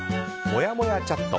もやもやチャット。